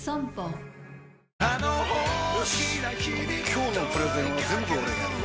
今日のプレゼンは全部俺がやる！